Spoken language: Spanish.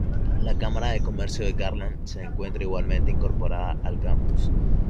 La cámara de comercio de Garland se encuentra igualmente incorporada al campus.